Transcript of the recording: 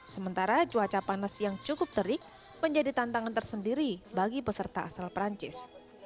sementara cuaca panas yang cukup terik menjadi tantangan tersendiri bagi peserta asal perancis